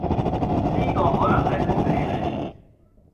呢個可能係福氣嚟